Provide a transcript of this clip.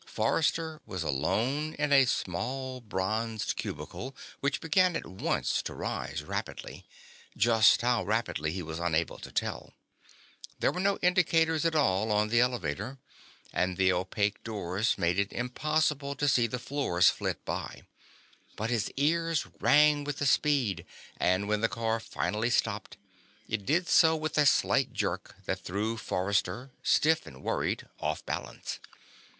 Forrester was alone in a small bronzed cubicle which began at once to rise rapidly. Just how rapidly, he was unable to tell. There were no indicators at all on the elevator, and the opaque doors made it impossible to see floors flit by. But his ears rang with the speed, and when the car finally stopped, it did so with a slight jerk that threw Forrester, stiff and worried, off balance.